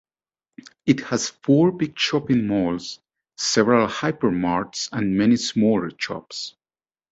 It has four big shopping malls, several hyper-marts and many smaller shops.